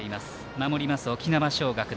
守ります、沖縄尚学。